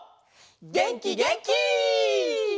げんきげんき！